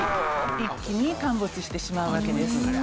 一気に陥没してしまうわけです。